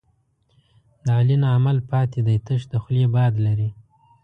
د علي نه عمل پاتې دی، تش د خولې باد لري.